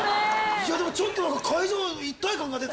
いやでもちょっと会場の一体感が出た。